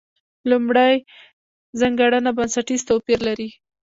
لومړۍ ځانګړنه بنسټیز توپیر لري.